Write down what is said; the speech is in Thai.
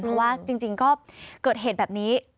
เพราะว่าจริงก็เกิดเหตุแบบนี้